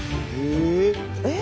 えっ？